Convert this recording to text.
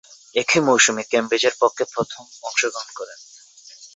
একই মৌসুমে কেমব্রিজের পক্ষে প্রথম অংশগ্রহণ করেন।